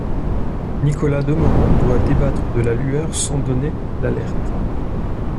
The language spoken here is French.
Nicolas Demorand doit débattre de la lueur sans donner l'alerte.